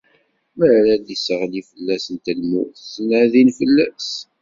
Mi ara d-isseɣli fell-asen lmut, ttnadin fell-as.